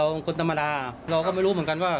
ก็เลยต้องรีบไปแจ้งให้ตรวจสอบคือตอนนี้ครอบครัวรู้สึกไม่ไกล